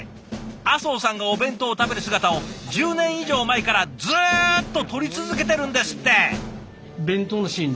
阿相さんがお弁当を食べる姿を１０年以上前からずっと撮り続けてるんですって！